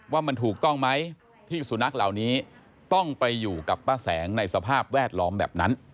ว่ามันถูกต้องไหมที่สุนัขเหล่านี้ต้องไปอยู่กับป้าแสงในสภาพแวดล้อมแบบนั้น